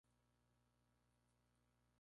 Amiga de la infancia de Akito.